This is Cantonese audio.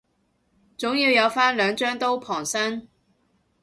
總要有返兩張刀傍身